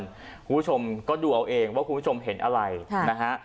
คุณผู้ชมก็ดูเอาเองว่าคุณผู้ชมเห็นอะไรนะฮะ